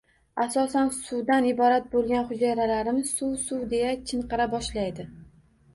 Asosan suvdan iborat bo‘lgan hujayralarimiz “Suv! Suv!” deya chinqira boshlaydi